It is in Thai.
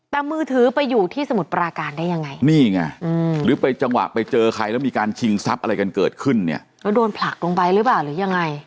หนูจะโดนผลักลงไปหรือบ่ลอยังไง